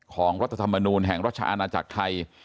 รัฐธรรมนูลแห่งราชอาณาจักรไทย